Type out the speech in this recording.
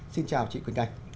xin chào chị quỳnh anh